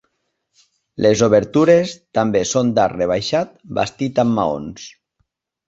Les obertures també són d'arc rebaixat bastit amb maons.